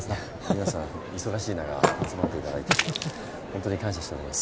皆さん忙しい中集まっていただいてほんとに感謝しております。